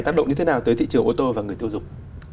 tác động như thế nào tới thị trường ô tô và người tiêu dùng